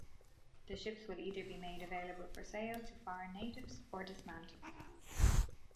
The ships will either be made available for sale to foreign navies or dismantled.